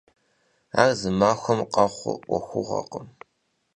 Ар зы махуэм къэхъу Ӏуэхугъуэкъым.